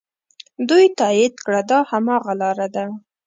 دوی تایید کړه دا هماغه لاره ده.